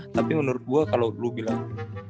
tapi menurut gue kalo lu bilang